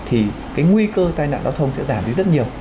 thì cái nguy cơ tai nạn giao thông sẽ giảm dưới rất nhiều